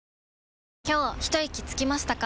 今日ひといきつきましたか？